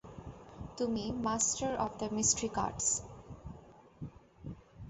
তুমি master of the mystic arts.